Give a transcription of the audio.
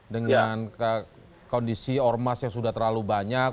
dengan kondisi ormas yang sudah terlalu banyak